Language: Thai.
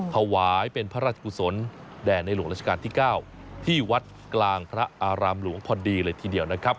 ถวายเป็นพระราชกุศลแด่ในหลวงราชการที่๙ที่วัดกลางพระอารามหลวงพอดีเลยทีเดียวนะครับ